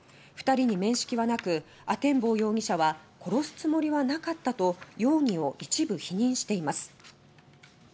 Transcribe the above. ２人に面識はなく阿天坊容疑者は「殺すつもりはなかった」と容疑を一部否認しています。